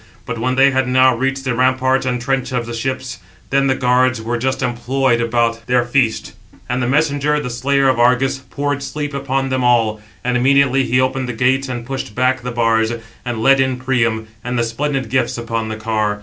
But when they had now reached the ramparts and trench of the ships, then the guards were just employed about their feast, and the messenger, the slayer of Argus, poured sleep upon them all; and immediately he opened the gates and pushed back the bars, and led in Priam, and the splendid gifts upon the car.